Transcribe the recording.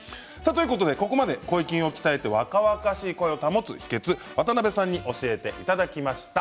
ここまで声筋を鍛えて若々しい声を保つ秘けつを渡邊さんに教えていただきました。